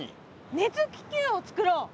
熱気球をつくろう。